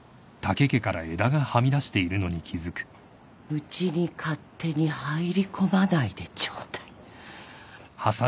うちに勝手に入り込まないでちょうだい。